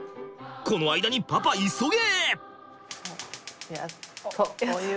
この間にパパ急げ！